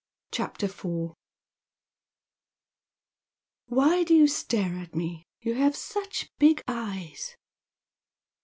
CHAPTER IV "Why do you stare at me? You have such big eyes!"